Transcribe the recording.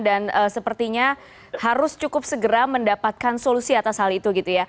dan sepertinya harus cukup segera mendapatkan solusi atas hal itu